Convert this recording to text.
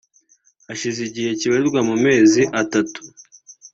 Hashize igihe kibarirwa mu mezi atatu